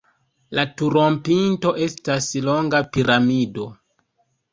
La turopinto estas longa piramido.